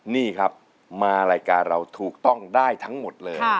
นี่ครับมารายการเราถูกต้องได้ทั้งหมดเลย